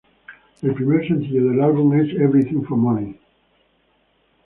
El primer sencillo del álbum es "Everything For Money".